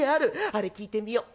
あれ聞いてみよう。